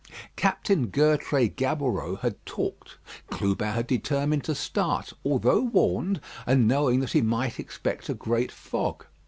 Captain Gertrais Gaboureau had talked; Clubin had determined to start, although warned, and knowing that he might expect a great fog.